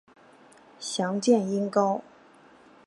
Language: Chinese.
详见音高。